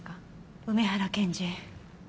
梅原検事。